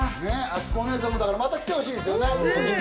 あつこお姉さんもまた来てほしいですね。